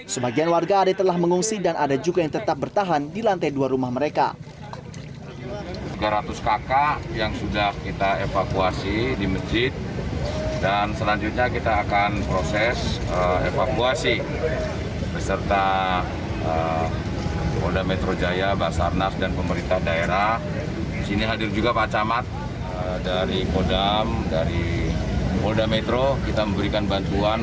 sebagian warga ada yang telah mengungsi dan ada juga yang tetap bertahan di lantai dua rumah mereka